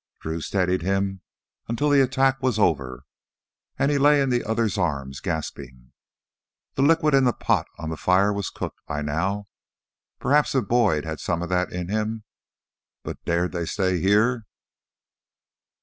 Drew steadied him until the attack was over and he lay in the other's arms, gasping. The liquid in the pot on the fire was cooked by now. Perhaps if Boyd had some of that in him.... But dared they stay here?